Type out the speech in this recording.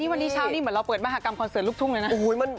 วันนี้เช้านี้เหมือนเราเปิดมหากรรมคอนเสิร์ตลูกทุ่งเลยนะ